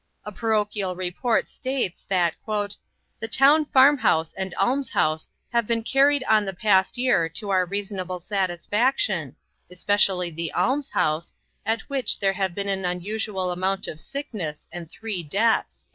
A parochial report states that "the town farm house and almshouse have been carried on the past year to our reasonable satisfaction, especially the almshouse, at which there have been an unusual amount of sickness and three deaths."